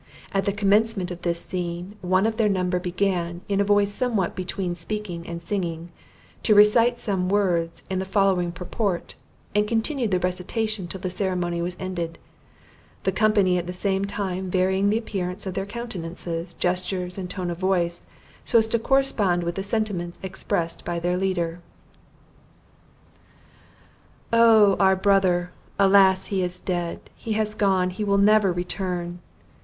At the commencement of this scene, one of their number began, in a voice somewhat between speaking and singing, to recite some words to the following purport, and continued the recitation till the ceremony was ended; the company at the same time varying the appearance of their countenances, gestures and tone of voice, so as to correspond with the sentiments expressed by their leader: "Oh our brother! Alas! He is dead he has gone; he will never return!